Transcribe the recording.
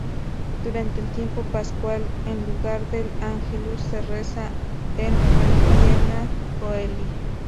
Durante el tiempo pascual, en lugar del Ángelus, se reza el Regina Coeli.